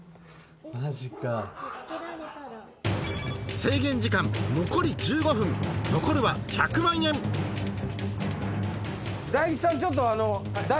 制限時間残り１５分残るは１００万円ちょっと。